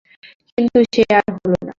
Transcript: কিন্তু সে আর হল না।